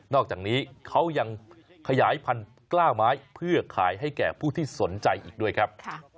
อกจากนี้เขายังขยายพันธุ์กล้าไม้เพื่อขายให้แก่ผู้ที่สนใจอีกด้วยครับ